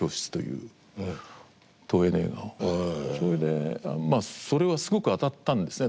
それでそれはすごく当たったんですね